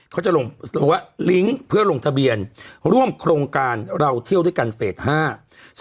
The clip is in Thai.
เขาจะลงว่าลิงก์เพื่อลงทะเบียนร่วมโครงการเราเที่ยวด้วยกันเฟสห้า